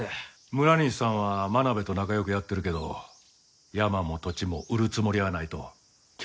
村西さんは真鍋と仲良くやってるけど山も土地も売るつもりはないときっぱり断ったそうや。